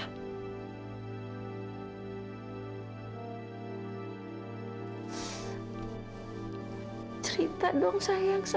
enggak boleh putus asa